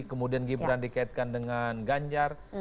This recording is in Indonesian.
kemudian gibran dikaitkan dengan ganjar